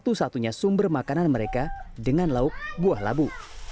satu satunya sumber makanan mereka dengan lauk buah labu